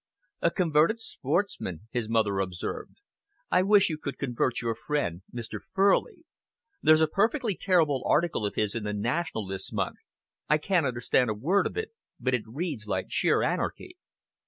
"A converted sportsman," his mother observed. "I wish you could convert your friend, Mr. Furley. There's a perfectly terrible article of his in the National this month. I can't understand a word of it, but it reads like sheer anarchy."